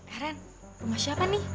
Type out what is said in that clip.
eh rin rumah siapa nih